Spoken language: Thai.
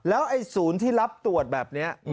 แล้วสูญที่รับตรวจแบบนี้